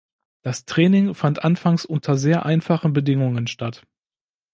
Das Training fand anfangs unter sehr einfachen Bedingungen statt.